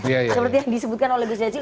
seperti yang disebutkan oleh gus dacil